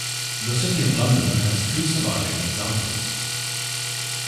The City of London has two surviving examples.